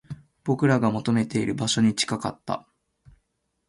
僕らが求めている場所に近かった